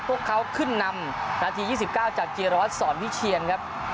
พวกเขาขึ้นนำนาทียี่สิบเก้าจากเจียรวรรดิสอนพิเชียรครับ